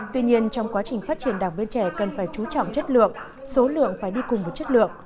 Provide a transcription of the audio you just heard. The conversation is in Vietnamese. tuy nhiên trong quá trình phát triển đảng viên trẻ cần phải chú trọng chất lượng số lượng phải đi cùng với chất lượng